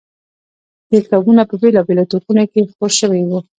دې کتابونه په بېلا بېلو ټوکونوکې خپور شوی و.